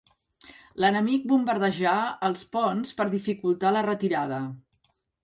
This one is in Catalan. L'enemic bombardejà els ponts per dificultar la retirada.